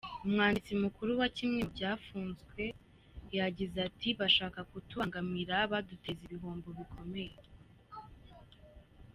Umwanditsi mukuru wa kimwe mu byafunzwe yagize ati :« bashaka kutubanganmira baduteza ibihombo bikomeye.